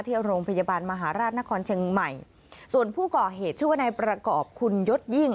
ที่โรงพยาบาลมหาราชนครเชียงใหม่ส่วนผู้ก่อเหตุชื่อว่านายประกอบคุณยศยิ่ง